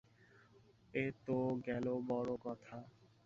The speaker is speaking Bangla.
এ তো গেল বড়ো কথা।